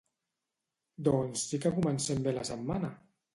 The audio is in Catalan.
Doncs sí que comencem bé la setmana!